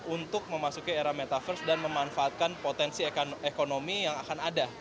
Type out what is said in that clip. untuk memasuki era metaverse dan memanfaatkan potensi ekonomi yang akan ada